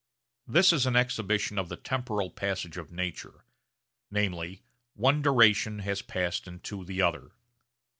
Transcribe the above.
This is an exhibition of the temporal passage of nature; namely, one duration has passed into the other.